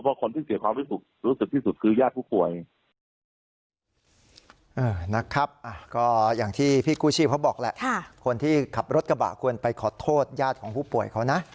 เพราะคนที่เสียความรู้สึกที่สุดคือยาดผู้ป่วย